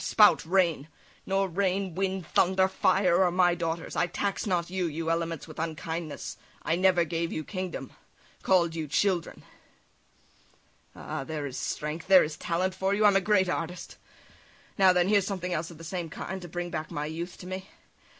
spout, rain! Nor rain, wind, thunder, fire, are my daughters; I tax not you, you elements, with unkindness; I never gave you kingdom, call'd you children." Ah! there is strength, there is talent for you! I'm a great artist! Now, then, here's something else of the same kind, to bring back my youth to me.